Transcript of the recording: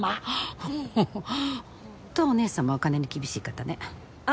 ホントお姉さまはお金に厳しい方ね。